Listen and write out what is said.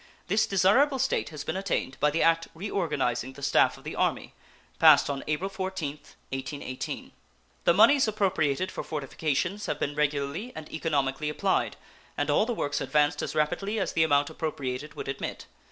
This desirable state has been attained by the act reorganizing the staff of the Army, passed on April 14th, 1818. The moneys appropriated for fortifications have been regularly and economically applied, and all the works advanced as rapidly as the amount appropriated would admit.